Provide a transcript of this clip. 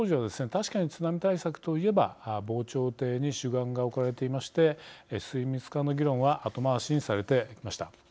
確かに津波対策と言えば防潮堤に主眼が置かれていまして水密化の議論は後回しにされてきました。